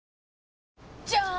じゃーん！